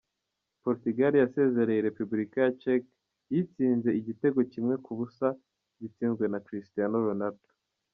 Portugal yasezereye Repubulika ya Czech iyitsinze igitego kimwe ku busa gitsinzwe na Cristiano Ronaldo.